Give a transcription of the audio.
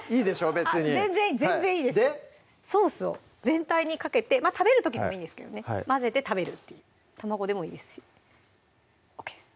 別に全然いいですソースを全体にかけて食べる時でもいいんですけどね混ぜて食べるっていうＯＫです